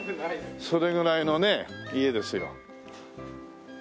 それぐらいのね家ですよ。